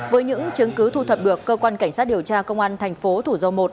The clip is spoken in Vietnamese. với những chứng cứ thu thập được cơ quan cảnh sát điều tra công an thành phố thủ dầu một